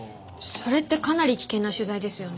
それってかなり危険な取材ですよね？